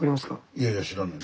いやいや知らんねん。